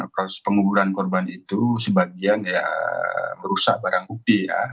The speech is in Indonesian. proses penguburan korban itu sebagian ya merusak barang bukti ya